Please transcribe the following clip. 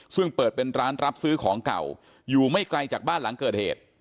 ซึ่งเปิดเป็นร้านรับซื้อของเก่าอยู่ไม่ไกลจากบ้านหลังเกิดเหตุ